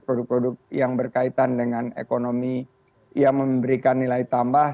produk produk yang berkaitan dengan ekonomi yang memberikan nilai tambah